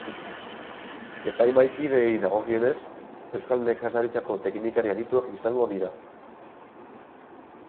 Epaimahaikideei dagokienez, euskal nekazaritzako teknikari adituak izango dira.